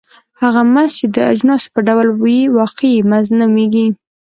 هغه مزد چې د اجناسو په ډول وي واقعي مزد نومېږي